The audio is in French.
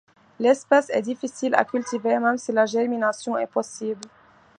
L'espèce est difficile à cultiver même si la germination est possible.